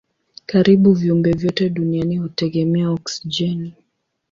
Karibu viumbe vyote duniani hutegemea oksijeni.